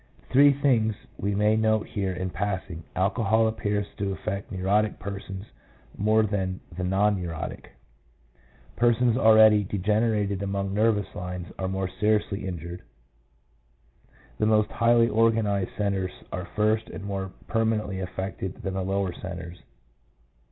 Three things we may note here in passing: alcohol appears to affect neurotic persons more than the non neurotic ; persons already degenerated along nervous lines are most seriously injured; 1 the most highly organised centres are first and more permanently affected than the lower centres.